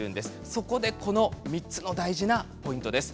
そこでこの３つの大事なポイントです。